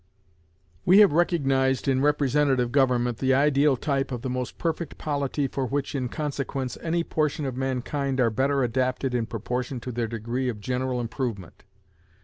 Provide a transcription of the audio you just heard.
We have recognized in representative government the ideal type of the most perfect polity for which, in consequence, any portion of mankind are better adapted in proportion to their degree of general improvement.